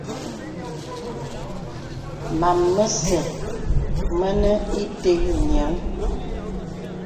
Mam məsə̀ mənə ìtə nyìəŋ.